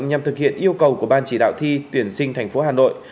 nhằm thực hiện yêu cầu của ban chỉ đạo thi tuyển sinh thành phố hà nội